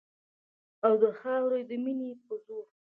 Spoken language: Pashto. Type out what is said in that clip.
او د خاورې د مینې په زور